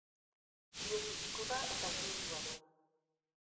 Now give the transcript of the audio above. Ile kizkurra eta urdindua du.